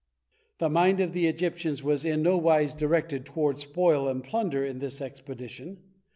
The mind of the Egyptians was in no wise directed toward spoil and plunder in this expedition.